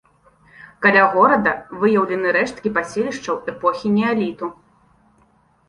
Каля горада выяўлены рэшткі паселішчаў эпохі неаліту.